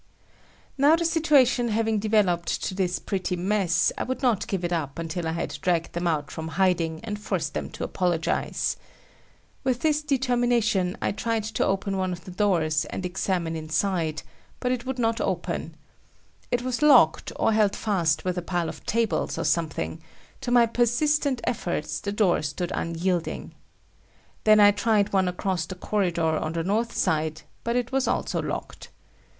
Now the situation having developed to this pretty mess, I would not give it up until I had dragged them out from hiding and forced them to apologize. With this determination, I tried to open one of the doors and examine inside, but it would not open. It was locked or held fast with a pile of tables or something; to my persistent efforts the door stood unyielding. Then I tried one across the corridor on the northside, but it was also locked.